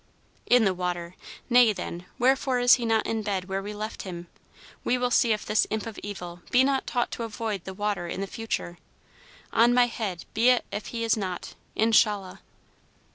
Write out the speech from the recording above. "In the water! Nay, then; wherefore is he not in bed where we left him? We will see if this imp of evil be not taught to avoid the water in the future. On my head be it if he is not, Inshallah!"